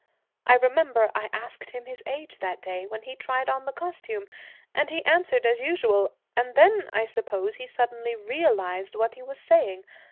I remember I asked him his age that day, when he tried on the costume, and he answered as usual, and then, I suppose, he suddenly realized what he was saying.